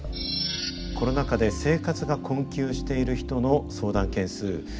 コロナ禍で生活が困窮している人の相談件数。